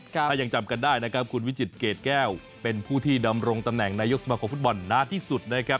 ถ้ายังจำกันได้นะครับคุณวิจิตเกรดแก้วเป็นผู้ที่ดำรงตำแหน่งนายกสมาคมฟุตบอลนานที่สุดนะครับ